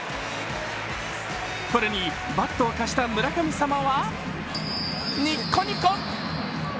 これに、バットを貸した村神様はニッコニコ。